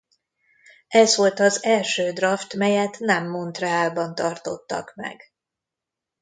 Ez volt az első draft melyet nem Montréalban tartottak meg.